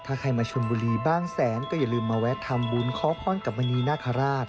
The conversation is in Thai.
ถ้าใครมาชนบุรีบ้างแสนก็อย่าลืมมาแวะทำบุญขอพรกับมณีนาคาราช